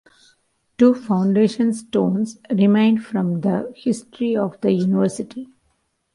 Two foundation stones remain from the history of the university.